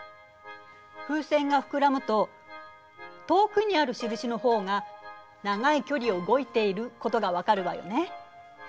風船が膨らむと遠くにある印のほうが長い距離を動いていることが分かるわよね。